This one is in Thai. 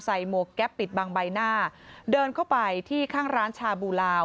หมวกแก๊ปปิดบางใบหน้าเดินเข้าไปที่ข้างร้านชาบูลาว